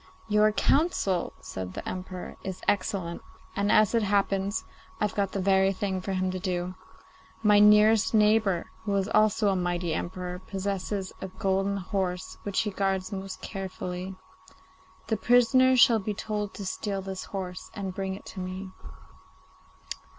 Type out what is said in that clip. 'Your counsel,' said the Emperor, 'is excellent, and, as it happens, I've got the very thing for him to do. My nearest neighbour, who is also a mighty Emperor, possesses a golden horse which he guards most carefully. The prisoner shall be told to steal this horse and bring it to me.